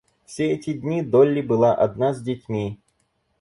Все эти дни Долли была одна с детьми.